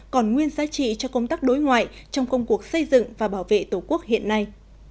còn nguyên giá trị cho công tác đối ngoại trong công cuộc xây dựng và bảo vệ tổ quốc hiện nay